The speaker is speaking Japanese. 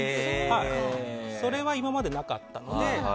それは、今までなかったので。